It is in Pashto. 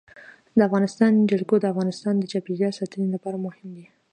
د افغانستان جلکو د افغانستان د چاپیریال ساتنې لپاره مهم دي.